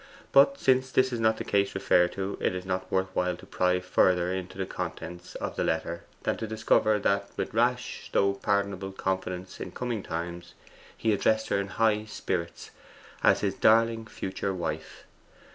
But since this is not the case referred to, it is not worth while to pry further into the contents of the letter than to discover that, with rash though pardonable confidence in coming times, he addressed her in high spirits as his darling future wife.